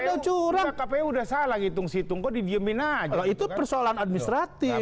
ada curang kpu udah salah hitung hitung di diamin aja itu persoalan administratif